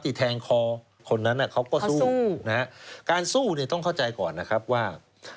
แทงคอคนนั้นเขาก็สู้นะฮะการสู้เนี่ยต้องเข้าใจก่อนนะครับว่า